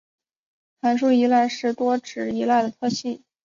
函数依赖是多值依赖的特例。